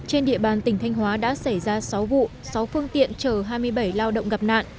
trên địa bàn tỉnh thanh hóa đã xảy ra sáu vụ sáu phương tiện chở hai mươi bảy lao động gặp nạn